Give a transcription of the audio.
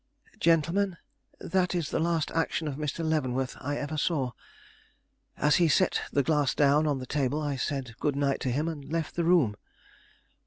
"Gentlemen, that is the last action of Mr. Leavenworth I ever saw. As he set the glass down on the table, I said good night to him and left the room."